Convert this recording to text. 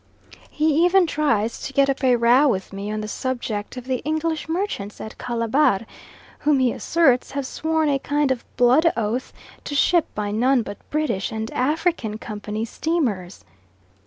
He even tries to get up a row with me on the subject of the English merchants at Calabar, whom he asserts have sworn a kind of blood oath to ship by none but British and African Company's steamers.